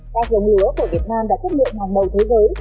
các dòng lúa của việt nam đã chất lượng hàng đầu thế giới